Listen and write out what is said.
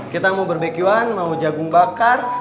kita mau berbequan mau jagung bakar